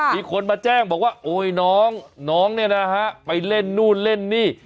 มีคนมาแจ้งบอกว่าโอ๊ยน้องน้องเนี่ยนะฮะไปเล่นนู่นเล่นนี่